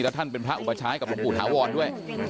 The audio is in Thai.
แล้วก็เป็นพระอุบัชายกับภูมิหลวงปู่ถาวรด้วย